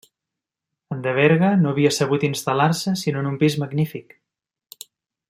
En Deberga no havia sabut instal·lar-se sinó en un pis magnífic.